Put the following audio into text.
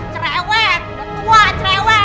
cerewet udah tua cerewet